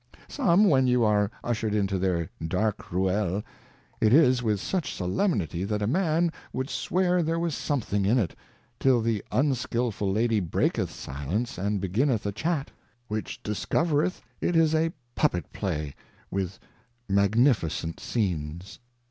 Some, when you are ushered into their Dark Ruelle, it is with such solemnity, that a Man would swear there was something in it, till the Unskilful Lady breaketh sUence, and beginneth a Chat, which discovereth it is a Puppet play with Magnificent Scenes.